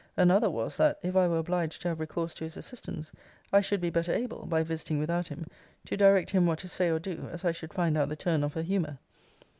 Another was, that, if I were obliged to have recourse to his assistance, I should be better able, (by visiting without him,) to direct him what to say or do, as I should find out the turn of her humour.